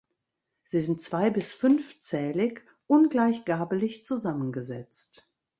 Sie sind zwei- bis fünfzählig ungleich-gabelig zusammengesetzt.